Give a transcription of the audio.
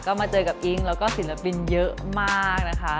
ก็มาเจอกับอิ๊งแล้วก็ศิลปินเยอะมากนะคะ